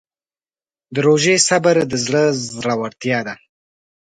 د روژې صبر د زړه زړورتیا ده.